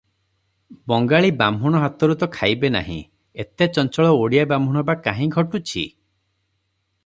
ବଙ୍ଗାଳୀ ବାହ୍ମୁଣ ହାତରୁ ତ ଖାଇବେ ନାହିଁ, ଏତେ ଚଞ୍ଚଳ ଓଡିଆ ବ୍ରାହ୍ମଣ ବା କାହୁଁ ଘଟୁଛି?